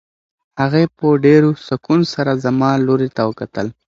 هغې په ډېر سکون سره زما لوري ته وکتل.